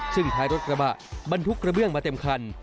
ซึ่งท้ายรถกระบะบรรทุกกระเบื้องมาเต็มคัน